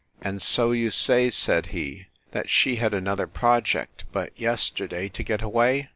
And so you say, said he, that she had another project, but yesterday, to get away?